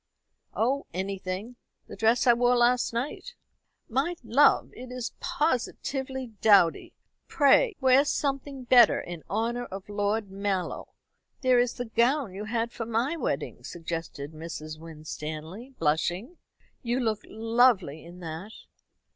oh, anything. The dress I wore last night." "My love, it is positively dowdy. Pray wear something better in honour of Lord Mallow. There is the gown you had for my wedding," suggested Mrs. Winstanley, blushing. "You look lovely in that."